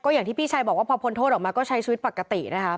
อย่างที่พี่ชายบอกว่าพอพ้นโทษออกมาก็ใช้ชีวิตปกตินะคะ